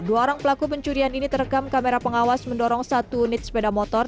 dua orang pelaku pencurian ini terekam kamera pengawas mendorong satu unit sepeda motor